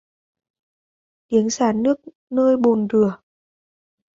Tiếng xả nước nơi bồn rửa